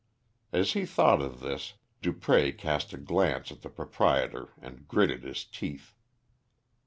As he thought of this, Dupré cast a glance at the proprietor and gritted his teeth.